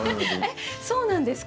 えっそうなんですか？